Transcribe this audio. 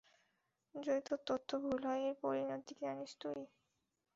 যদি তোর তথ্য ভুল হয়, এর পরিণতি জানিস তুই?